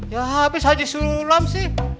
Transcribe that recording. ya habis haji sulam sih